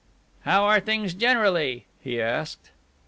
"How are things generally?" he asked.